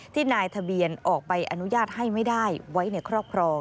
นายทะเบียนออกใบอนุญาตให้ไม่ได้ไว้ในครอบครอง